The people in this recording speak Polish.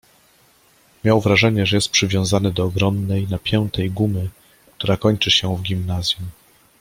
” Miał wrażenie, że jest przywiązany do ogromnej, napiętej gumy, która kończy się w gimnazjum.